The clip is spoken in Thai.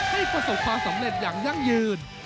ประสบความสำเร็จอย่างยั่งยืน